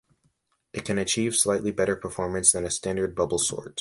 It can achieve slightly better performance than a standard bubble sort.